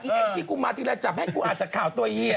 ไอ้แอ๊ะที่กูมาที่แล้วจับให้กูอาจจะข่าวตัวเยียร์